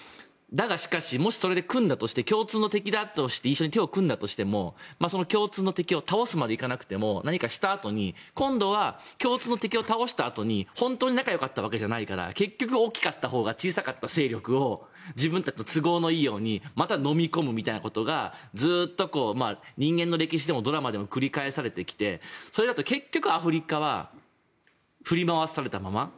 だがしかし、もしそれで共通の敵だとして一緒に手を組んだとしても共通の敵を倒すまで行かなくても何かした時に今度は共通の敵を倒したあとに本当に仲よかったわけじゃないから大きかった勢力が小さかった勢力を自分たちの都合のいいようにまたのみ込むみたいなことがずっと人間の歴史でもドラマでも繰り返されてきてそれだと結局アフリカは振り回されたまま。